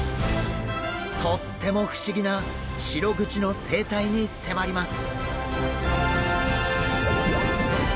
とっても不思議なシログチの生態に迫ります！